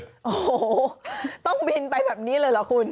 โอ้โหต้องบินไปแบบนี้เลยเหรอคุณ